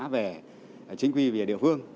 về chính quy về địa phương